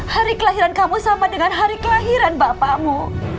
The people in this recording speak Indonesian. hari kelahiran kamu sama dengan hari kelahiran bapakmu